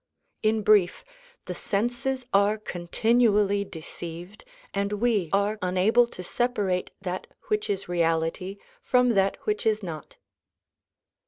In brief, the senses are continually deceived and we are unable to separate that which is reality from that which is not.